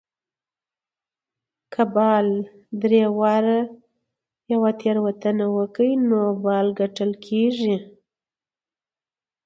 که بالر درې واري يوه تېروتنه وکي؛ نو نو بال ګڼل کیږي.